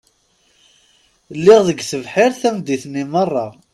Lliɣ deg tebḥirt tameddit-nni meṛṛa.